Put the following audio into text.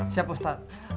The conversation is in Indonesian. siap pak ustad